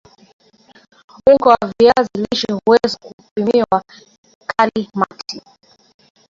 unga wa viazi lishe huweza kupikiwa kalimati